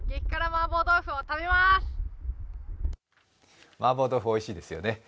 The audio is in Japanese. マーボー豆腐おいしいですよね。